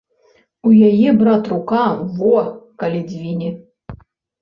У яе, брат, рука во, калі дзвіне!